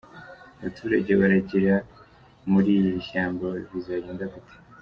Abaturage baragira muri iri shyamba bizagenda gute?.